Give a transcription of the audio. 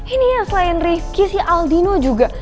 ini ya selain rifqi si aldino juga